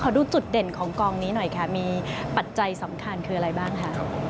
ดูจุดเด่นของกองนี้หน่อยค่ะมีปัจจัยสำคัญคืออะไรบ้างคะ